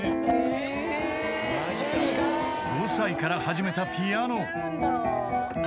［５歳から始めたピアノ］